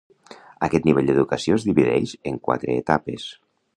Aquest nivell d'educació es divideix en quatre etapes.